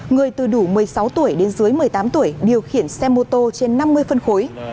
người từ đủ một mươi sáu tuổi đến dưới một mươi tám tuổi điều khiển xe mô tô trên năm mươi phân khối